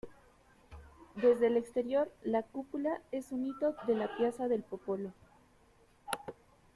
Desde el exterior la cúpula es un hito de la Piazza del Popolo.